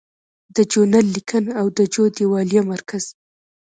د جو نل لیکنه او د جو دیوالیه مرکز